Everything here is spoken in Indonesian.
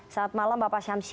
selamat malam bapak syamsi